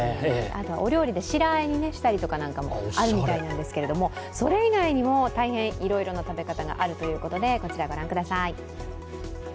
あとはお料理で白和えにしたりとかもあるみたいなんですけどそれ以外にも大変いろいろな食べ方があるということでこちら、ご覧ください。